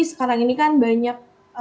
sekarang ini kan banyak